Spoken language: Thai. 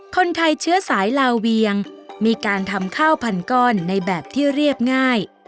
คนไทยเชื้อสายลาเวียงมีการทำข้าวพันก้อนในแบบที่เรียบง่าย